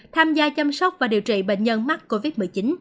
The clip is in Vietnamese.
tham gia chăm sóc và điều trị bệnh nhân mắc covid một mươi chín